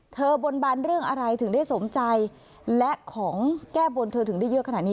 บนบันเรื่องอะไรถึงได้สมใจและของแก้บนเธอถึงได้เยอะขนาดนี้